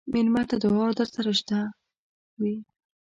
مېلمه ته دعا درسره شته وي.